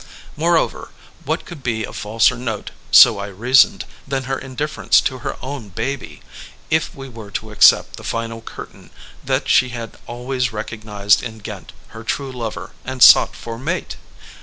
Moreover, what could be a falser note — so I reasoned — than her indifference to her own baby, if we were to accept the final curtain that she had always recognized in Ghent her true lover and sought for mate?